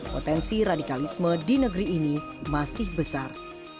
potensi radikalisme di negeri ini masih besar